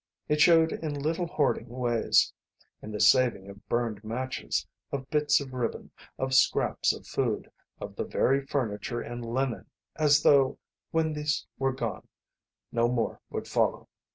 It showed in little hoarding ways: in the saving of burned matches, of bits of ribbon, of scraps of food, of the very furniture and linen, as though, when these were gone, no more would follow.